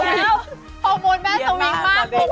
แม่โฮมอนแม่สวินมาก